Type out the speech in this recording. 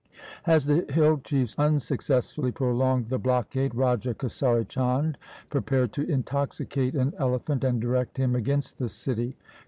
As the hill chiefs unsuccessfully prolonged the blockade, Raja Kesari Chand prepared to intoxicate an elephant and direct him against the city.